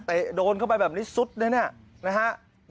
เตะโดนเข้าไปแบบนี้ซุดใดนะครับ